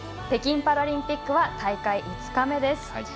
北京パラリンピックは大会５日目です。